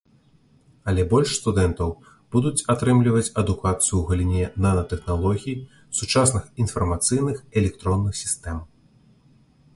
Але больш студэнтаў будуць атрымліваць адукацыю ў галіне нанатэхналогій, сучасных інфармацыйных, электронных сістэм.